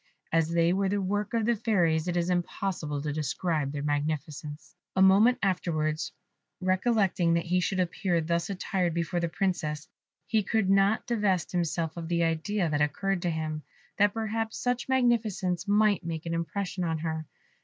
As they were the work of the Fairies, it is impossible to describe their magnificence. A moment afterwards, recollecting that he should appear thus attired before the Princess, he could not divest himself of the idea that occurred to him, that perhaps such magnificence might make an impression on her.